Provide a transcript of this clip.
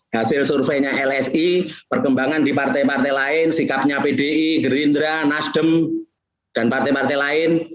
hasil surveinya lsi perkembangan di partai partai lain sikapnya pdi gerindra nasdem dan partai partai lain